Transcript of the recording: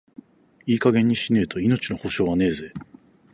いい加減にしねえと、命の保証はねえぜ。